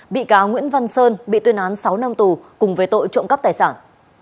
bị cáo nguyễn văn sơn bị tuyên án sáu năm tù cùng với tội trộm cắp tài sản